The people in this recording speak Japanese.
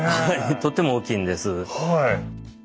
とっても大きいんです。